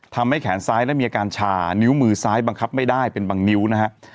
ทำให้แขนซ้ายนั้นมีอาการชานิ้วมือซ้ายบังคับไม่ได้เป็นบางนิ้วนะฮะ